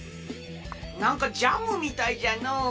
なんかジャムみたいじゃのう！